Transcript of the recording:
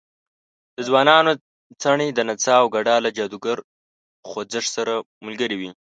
د ځوانانو څڼې د نڅا او ګډا له جادوګر خوځښت سره ملګرې وې.